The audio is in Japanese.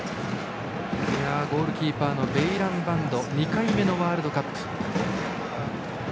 ゴールキーパーのベイランバンドは２回目のワールドカップ。